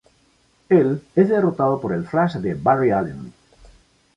Él es derrotado por el Flash de Barry Allen.